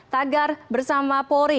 tagar bersama pori